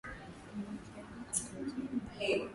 Mamake ako kazini